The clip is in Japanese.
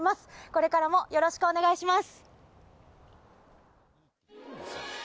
これからもよろしくお願いいたします。